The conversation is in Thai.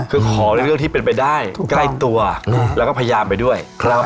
คือขอในเรื่องที่เป็นไปได้ใกล้ตัวแล้วก็พยายามไปด้วย